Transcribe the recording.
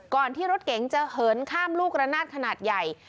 ที่รถเก๋งจะเหินข้ามลูกระนาดขนาดใหญ่